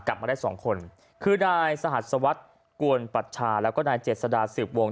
กลับมาได้สองคนคือนายสหัสสวัสดิ์กวนปัชชาแล้วก็นายเจษดาสืบวง